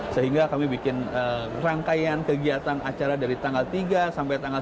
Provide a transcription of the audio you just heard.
sehingga kami bikin rangkaian kegiatan acara dari tanggal tiga sampai tanggal